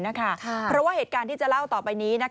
เพราะว่าเหตุการณ์ที่จะเล่าต่อไปนี้